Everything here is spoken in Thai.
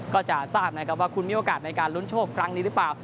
ก็จะทราบนะครับว่าคุณมีโอกาสในการลุ้นโชคครั้งนี้หรือเปล่า